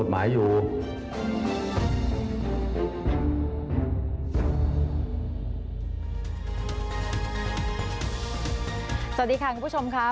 สวัสดีค่ะคุณผู้ชมค่ะ